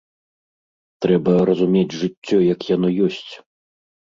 Трэба разумець жыццё, як яно ёсць.